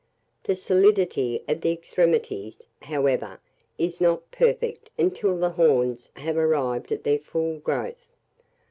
The solidity of the extremities, however, is not perfect until the horns have arrived at their full growth.